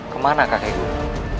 kemana kakek gue